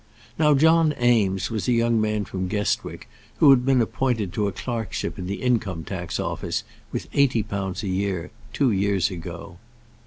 Now John Eames was a young man from Guestwick, who had been appointed to a clerkship in the Income tax Office, with eighty pounds a year, two years ago.